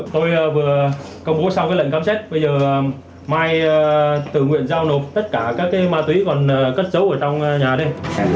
tôi vừa công bố xong lệnh khám xét bây giờ mai tự nguyện giao nộp tất cả các ma túy còn cất giấu ở trong nhà đây